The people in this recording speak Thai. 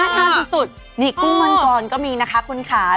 อ่ะน่าทานที่สุดนี่กุ้งมันกอร์นก็มีนะคะคุณค้าค่ะ